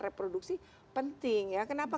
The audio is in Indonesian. reproduksi penting ya kenapa